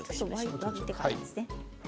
沸いてからですね。